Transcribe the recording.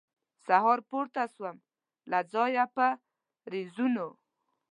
سهار پورته سوم له ځایه په رېزونو